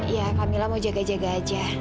ya kak mila mau jaga jaga aja